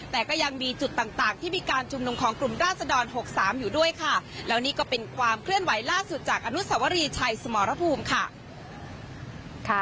แต่ก็ยังมีจุดต่างที่มีการชุมนุมของกลุ่มราศดร๖๓อยู่ด้วยค่ะแล้วนี่ก็เป็นความเคลื่อนไหวล่าสุดจากอนุสวรีชัยสมรภูมิค่ะ